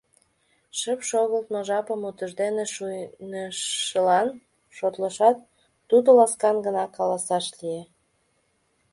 Шып шогылтмо жапым утыждене шуйнышылан шотлышат, тудо ласкан гына каласаш лие: